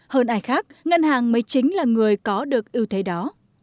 hơn ai khác ngân hàng mới chính là người có được ưu thế đó